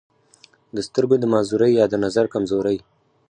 دَسترګو دَمعذورۍ يا دَنظر دَکمزورۍ